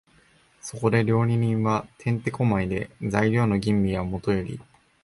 そこで料理人は転手古舞で、材料の吟味はもとより、